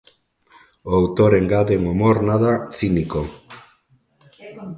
O autor engade un humor nada cínico.